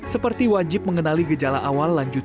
seperti wajib mengenali gejala awal lanjutan dan akhirnya